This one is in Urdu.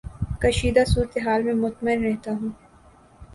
کشیدہ صورت حال میں مطمئن رہتا ہوں